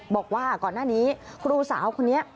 บอกว่าก่อนหน้านี้ครูสาวคนนี้